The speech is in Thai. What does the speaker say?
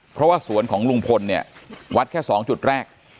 เพราะว่าสวนของลุงพลเนี่ยวัดแค่๒จุดแรก